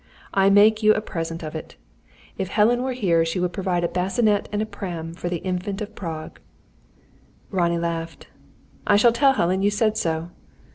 I make you a present of it. If Helen were here she would provide a bassinet and a pram for the Infant of Prague." Ronnie laughed. "I shall tell Helen you said so."